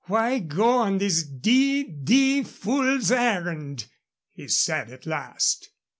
"Why go on this d d fool's errand?" he said, at last.